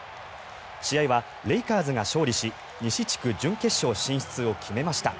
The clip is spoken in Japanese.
試合はレイカーズが勝利し西地区準決勝進出を決めました。